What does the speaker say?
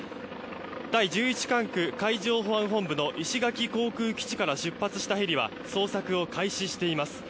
第１１管区海上保安本部の石垣航空基地から出発したヘリは捜索を開始しています。